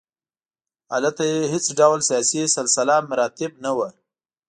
هلته هېڅ ډول سیاسي سلسله مراتب نه وو.